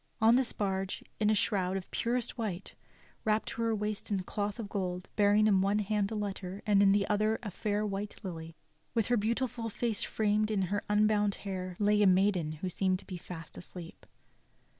On this barge, in a shroud of purest white, wrapped to her waist in cloth of gold, bearing in one hand a letter and in the other a fair white lily, with her beautiful face framed in her unbound hair, lay a maiden who seemed to them to be fast asleep.